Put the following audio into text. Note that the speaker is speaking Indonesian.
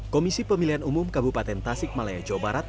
komisi pemilihan umum kabupaten tasik malaya jawa barat